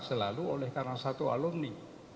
selalu oleh karena satu alumni